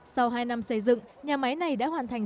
sau hai năm xây dựng nhà máy này đã hoàn thành